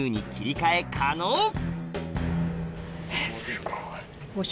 えっすごい。